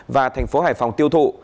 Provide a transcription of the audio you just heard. và thành phố hải phòng tiêu thụ